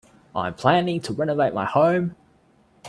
I am planning to renovate my home.